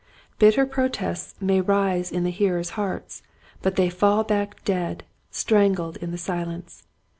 Bitter protests may rise in the hearers' hearts but they fall back dead, strangled in the silence.